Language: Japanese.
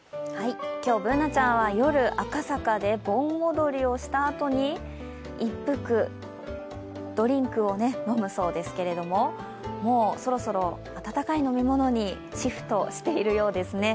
今日、Ｂｏｏｎａちゃんは夜赤坂で盆踊りをしたあとで、一服、ドリンクを飲むそうですけどもうそろそろ温かい飲み物にシフトしているようですね。